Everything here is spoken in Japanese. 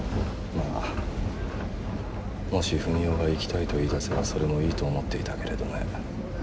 まあもし文雄が行きたいと言いだせばそれもいいと思っていたけれどね。